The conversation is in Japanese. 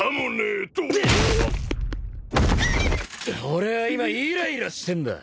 俺は今イライラしてんだ！